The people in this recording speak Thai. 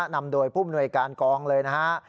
นำโดยผู้มนวยการกองเลยนะฮะ